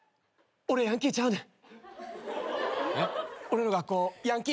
俺ヤンキーちゃうねん。